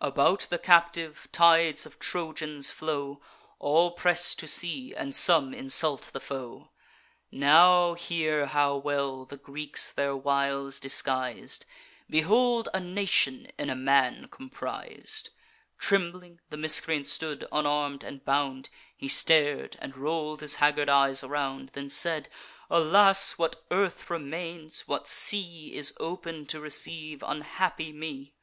About the captive, tides of Trojans flow; All press to see, and some insult the foe. Now hear how well the Greeks their wiles disguis'd; Behold a nation in a man compris'd. Trembling the miscreant stood, unarm'd and bound; He star'd, and roll'd his haggard eyes around, Then said: 'Alas! what earth remains, what sea Is open to receive unhappy me?